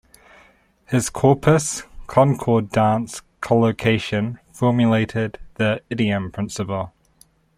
His "Corpus, Concordance, Collocation" formulated the "idiom principle".